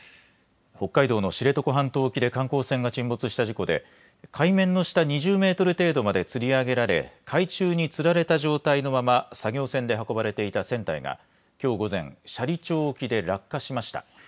北海道の知床半島沖で観光船が沈没した事故で海面の下２０メートル程度までつり上げられ海中につられた状態のまま作業船で運ばれていた船体がきょう午前斜里町沖で落下しました。